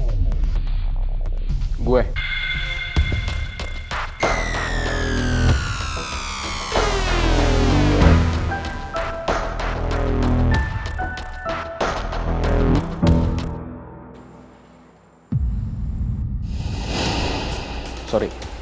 kita mau mencari